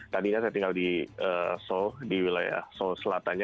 tadinya saya tinggal di seoul di wilayah seoul selatannya